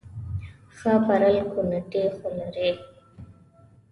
ښه پرل کوناټي خو لري